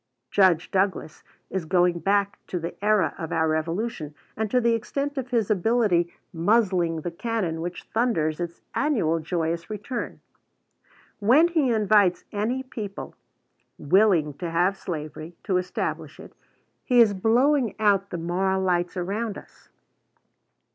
Judge Douglas is going back to the era of our Revolution, and to the extent of his ability muzzling the cannon which thunders its annual joyous return. When he invites any people, willing to have slavery, to establish it, he is blowing out the moral lights around us.